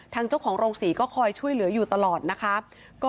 ทางเจ้าของโรงศรีก็คอยช่วยเหลืออยู่ตลอดนะคะ